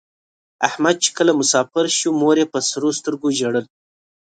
احمد چې کله مسافر شو مور یې په سرو سترگو ژړل.